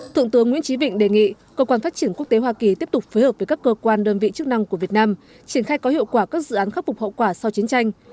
thượng tướng nguyễn trí vịnh đề nghị cơ quan phát triển quốc tế hoa kỳ tiếp tục phối hợp với các cơ quan đơn vị chức năng của việt nam triển khai có hiệu quả các dự án khắc phục hậu quả sau chiến tranh